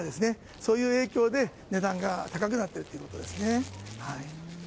そういう影響で値段が高くなっているということですね。